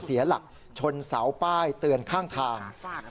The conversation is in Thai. เสียหลักชนเสาป้ายเตือนข้างทาง